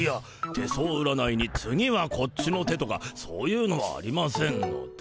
手相占いに「次はこっちの手」とかそういうのはありませんので。